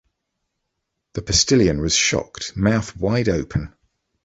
The postilion was shocked, mouth wide open.